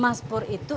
mas pur itu